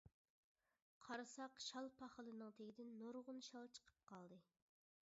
قارىساق شال پاخىلىنىڭ تېگىدىن نۇرغۇن شال چىقىپ قالدى.